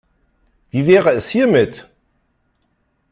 Wie wäre es hiermit?